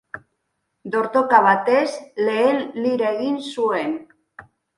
Dortoka batez lehen lira egin zuen.